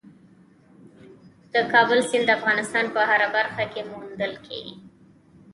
د کابل سیند د افغانستان په هره برخه کې موندل کېږي.